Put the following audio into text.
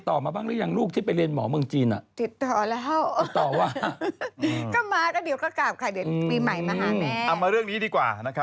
บอกอย่าไปจับเข้าเดียวเนื้อติดนัง